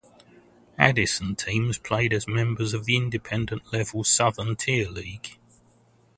Addison teams played as members of the Independent level Southern Tier League.